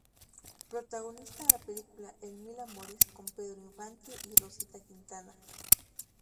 Protagonista en la película "El Mil Amores", con Pedro Infante y Rosita Quintana.